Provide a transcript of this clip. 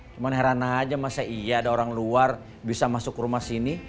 cuma herana aja masa iya ada orang luar bisa masuk rumah sini